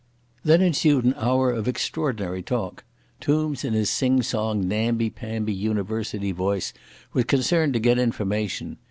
Then ensued an hour of extraordinary talk. Tombs in his sing song namby pamby University voice was concerned to get information.